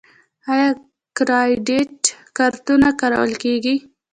آیا کریډیټ کارتونه کارول کیږي؟